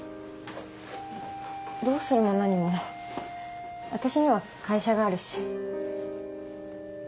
どうするも何も私には会社があるし。